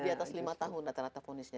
di atas lima tahun rata rata fonisnya